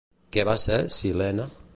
Què va ser Cil·lene?